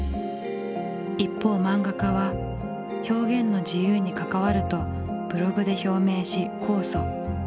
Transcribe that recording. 一方漫画家は「表現の自由に関わる」とブログで表明し控訴。